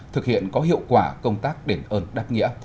thực hiện có hiệu quả công tác đền ơn đáp nghĩa